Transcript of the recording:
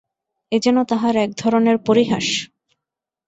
এ যেন তাহার একধরনের পরিহাস।